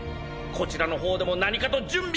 こちらの方でも何かと準備がいる。